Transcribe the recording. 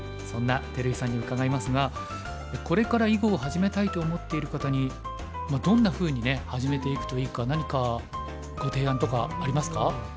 そんな照井さんに伺いますがこれから囲碁を始めたいと思っている方にどんなふうにね始めていくといいか何かご提案とかありますか？